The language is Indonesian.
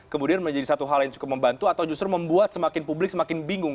kemudian menjadi satu hal yang cukup membantu atau justru membuat semakin publik semakin bingung